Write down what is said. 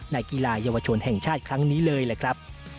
กีฬาเยาวชนแห่งชาติครั้งนี้เลยล่ะครับ